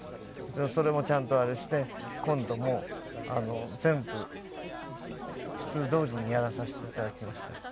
それもちゃんとあれしてコントも全部普通どおりにやらさせていただきました。